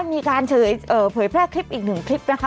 มีการเผยแพร่คลิปอีกหนึ่งคลิปนะคะ